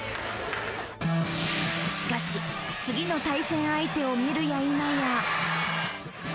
しかし、次の対戦相手を見るやいなや。